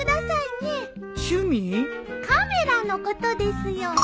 カメラのことですよ。